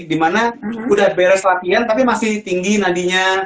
dimana udah beres latihan tapi masih tinggi nadinya